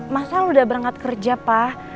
mas al udah berangkat kerja pak